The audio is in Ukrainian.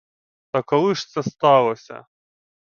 Та коли ж це сталося?